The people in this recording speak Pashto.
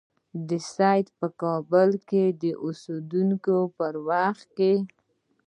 سید په کابل کې د اوسېدلو په وخت کې.